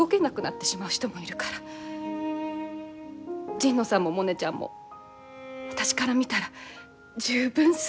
神野さんもモネちゃんも私から見たら十分すごい。